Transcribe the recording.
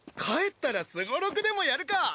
帰ったらすごろくでもやるか！